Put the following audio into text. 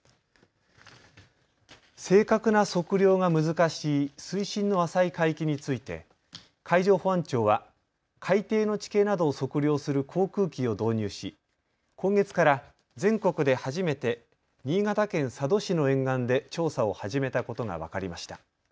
正確な測量が難しい水深の浅い海域について海上保安庁は海底の地形などを測量する航空機を導入し今月から全国で初めて新潟県佐渡市の沿岸で調査を始めたことが分かりました。